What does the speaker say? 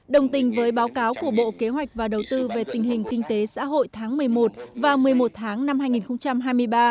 đồng tình với báo cáo của bộ kế hoạch và đầu tư về tình hình kinh tế xã hội tháng một mươi một và một mươi một tháng năm hai nghìn hai mươi ba